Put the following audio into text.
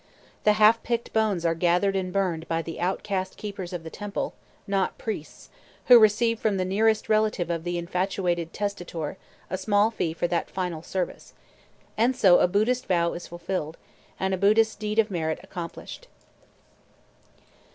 The half picked bones are gathered and burned by the outcast keepers of the temple (not priests), who receive from the nearest relative of the infatuated testator a small fee for that final service; and so a Buddhist vow is fulfilled, and a Buddhist "deed of merit" accomplished.